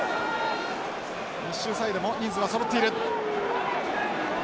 密集サイドも人数はそろっている。